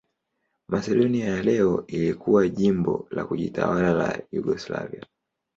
Masedonia ya leo ilikuwa jimbo la kujitawala la Yugoslavia.